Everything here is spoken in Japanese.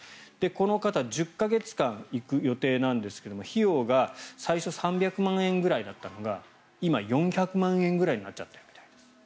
この方１０か月間行く予定なんですが費用が最初３００万円くらいだったのが今、４００万円ぐらいになっちゃってるみたいです。